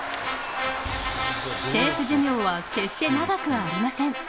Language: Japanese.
選手寿命は決して長くありません。